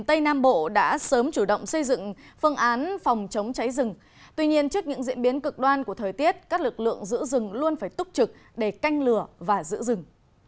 trên trước những diễn biến cực đoan của thời tiết các lực lượng giữ rừng luôn phải túc trực để canh lửa và giữ rừng